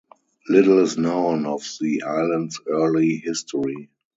Little is known of the islands' early history.